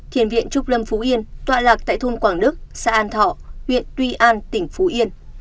thiền viện trúc lâm phú yên tọa lạc tại thôn quảng đức xã an thọ huyện tuy an tỉnh phú yên